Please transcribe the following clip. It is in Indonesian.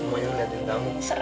diliatin lagi tidur